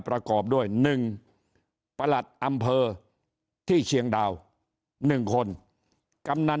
ประกอบด้วยหนึ่งอันเพอร์ที่เชียงดาวหนึ่งคนกำนั่น